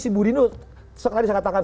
si budino sekali lagi saya katakan